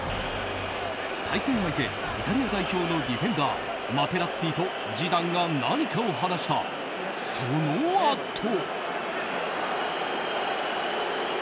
対戦相手イタリア代表のディフェンダーマテラッツィとジダンが何かを話したそのあと。